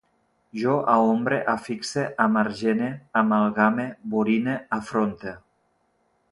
Jo aombre, afixe, amargene, amalgame, borine, afronte